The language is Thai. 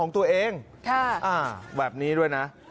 ตัวเองแบบนี้ด้วยนะ